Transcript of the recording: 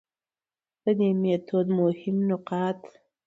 د دې ميتود مهم نقاط: